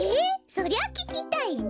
そりゃききたいね。